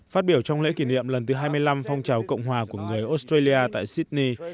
phát biểu trong lễ kỷ niệm lần thứ hai mươi năm phong trào cộng hòa của người australia tại sydney